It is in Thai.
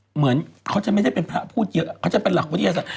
เหมือนเขาจะไม่ได้เป็นพระพูดเยอะเขาจะเป็นหลักวิทยาศาส